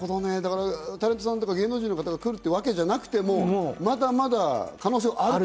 タレントさんとか芸能人の方が来るってわけじゃなくても、まだまだ可能性がある。